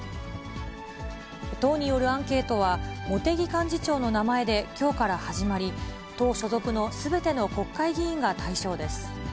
党によるアンケートは、茂木幹事長の名前で、きょうから始まり、党所属のすべての国会議員が対象です。